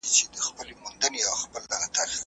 آیا ته په پښتو ژبه کې شعر لوستلی شې؟